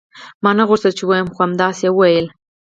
ما نه غوښتل چې ووايم خو همدغسې يې وويل.